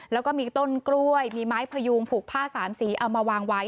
แล้วก็มีต้นกล้วยมีไม้พยูงผูกผ้าสามสีเอามาวางไว้